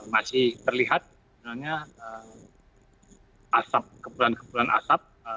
masih terlihat sebenarnya asap kepulan kepulan asap